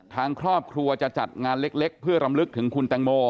ทางครอบครัวจะจัดงานเล็กเพื่อรำลึกถึงคุณแตงโม